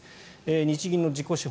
日銀の自己資本